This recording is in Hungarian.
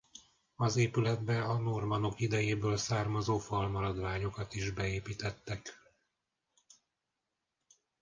Az épületbe a normannok idejéből származó falmaradványokat is beépítettek.